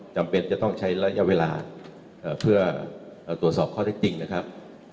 จำเป็นจะต้องใช้ระยะเวลาเพื่อตรวจสอบข้อเท็จจริงนะครับ